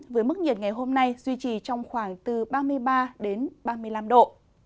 với mức nhiệt ngày hôm nay duy trì trong khoảng từ ba mươi ba ba mươi năm độ